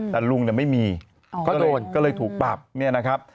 แต่ลุงไม่มีก็เลยถูกปรับ